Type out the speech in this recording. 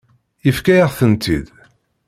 Yefka-yaɣ-tent-id.